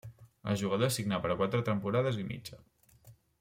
El jugador signà per a quatre temporades i mitja.